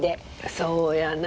そうやな。